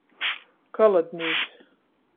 Kaladnīks.